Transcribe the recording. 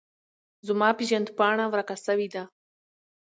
زما پیژند پاڼه ورکه سویده